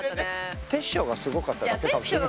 煌翔がすごかっただけかもしれない。